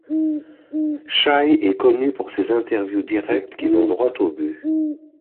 Chai est connue pour ses interviews directes, qui vont droit au but.